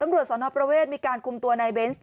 ตำรวจสนประเวทมีการคุมตัวนายเบนส์